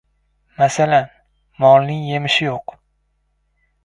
— Masalan, molning yemishi yo‘q.